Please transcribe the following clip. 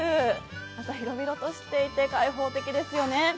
また広々としていて開放的ですよね。